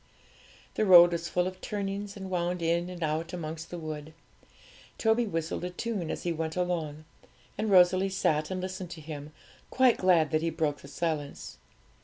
The road was full of turnings, and wound in and out amongst the wood. Toby whistled a tune as he went along, and Rosalie sat and listened to him, quite glad that he broke the silence.